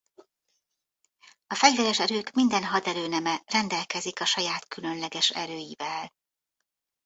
A fegyveres erők minden haderőneme rendelkezik a saját különleges erőivel.